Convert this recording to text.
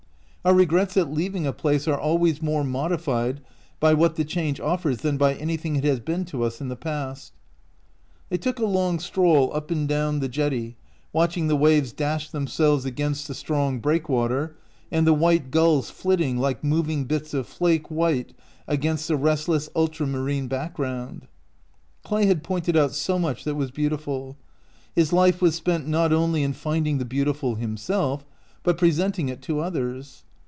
Our regrets at leaving a place are always more modified by what the change offers than by anything it has been to us in the past. « They took a long stroll up and down the jetty, watching the waves dash themselves against the strong breakwater, and the white gulls flitting like moving bits of flake white against the restless ultramarine background. Clay had pointed out so much that was beautiful. His life was spent not only in finding the beautiful himself, but presenting it to others.